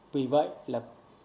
vì vậy là